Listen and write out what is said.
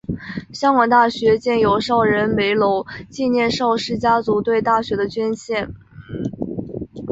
香港大学建有邵仁枚楼纪念邵氏家族对大学的捐献。